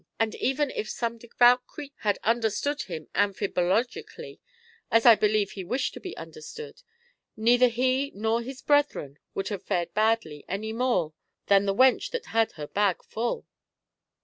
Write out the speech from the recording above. And even if some devout creature had understood him amphi bologically, as I believe he wished to be understood, neither he nor his brethren would have fared badly any more than the wench that had her bag full."